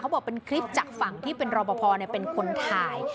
บอกเป็นคลิปจากฝั่งที่เป็นรอปภเป็นคนถ่าย